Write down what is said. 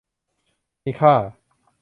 มีค่า